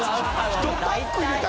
１パック入れた？